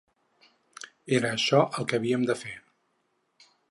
Era això el que havíem de fer.